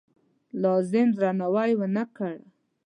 لازم درناوی ونه کړ.